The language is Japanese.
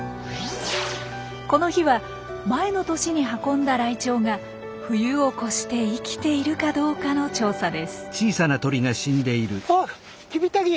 この日は前の年に運んだライチョウが冬を越して生きているかどうかの調査です。